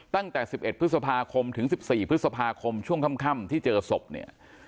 ตั้งแต่สิบเอ็ดพฤษภาคมถึงสิบสี่พฤษภาคมช่วงค่ำที่เจอศพเนี่ย